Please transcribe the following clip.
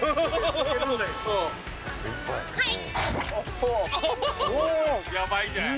はい。